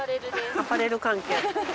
アパレル関係。